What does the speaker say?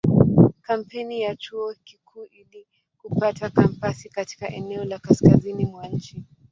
Kampeni ya Chuo Kikuu ili kupata kampasi katika eneo la kaskazini mwa nchi.